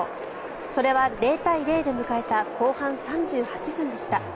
それは０対０で迎えた後半３８分でした。